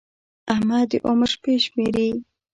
احمد د عمر شپې شمېري.